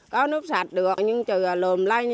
có nước sạch được nhưng trời lùm lây